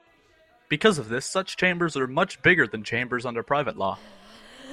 Because of this, such chambers are much bigger than chambers under private law.